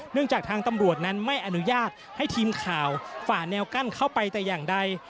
จากทางตำรวจนั้นไม่อนุญาตให้ทีมข่าวฝ่าแนวกั้นเข้าไปแต่อย่างใด